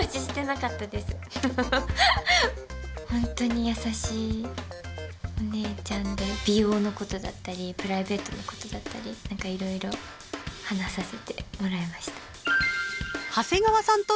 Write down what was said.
本当に優しいおねえちゃんで美容のことだったりプライベートのことだったり何かいろいろ話させてもらいました。